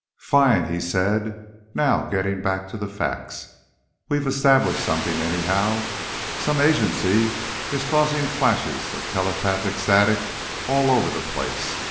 "Fine," he said. "Now, getting on back to the facts, we've established something, anyhow. Some agency is causing flashes of telepathic static all over the place.